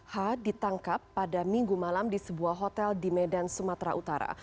h ditangkap pada minggu malam di sebuah hotel di medan sumatera utara